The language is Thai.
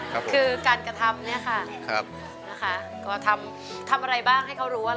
คือการกระทำเนี้ยค่ะครับนะคะก็ทำทำอะไรบ้างให้เขารู้ว่า